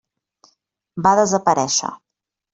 Va desaparèixer.